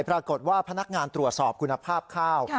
ปรากฏว่าพนักงานตรวจสอบคุณภาพข้าว